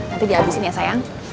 nanti di abisin ya sayang